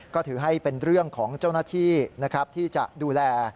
ก็ถือให้เป็นเรื่องของเจ้าหน้าที่นะครับที่จะดูแล